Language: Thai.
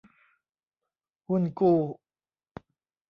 หุ้นกู้